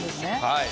はい。